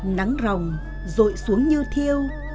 nắng rồng rội xuống như thiêu